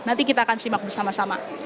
nanti kita akan simak bersama sama